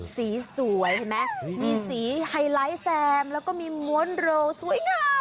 สีสวยเห็นไหมมีสีไฮไลท์แซมแล้วก็มีม้วนเร็วสวยงาม